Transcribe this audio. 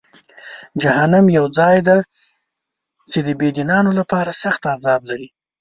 جهنم یو ځای دی چې د بېدینانو لپاره سخت عذاب لري.